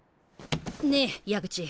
ねえ矢口